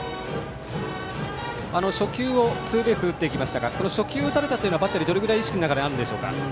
初球をツーベース打っていきましたがその初球打たれたというのはバッテリーどれぐらい意識にありますか？